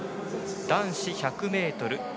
男子１００ｍＴ